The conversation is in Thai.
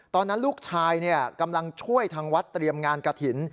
ตอนนั้นลูกชายกำลังช่วยทางวัดเตรียมงานกระถิ่น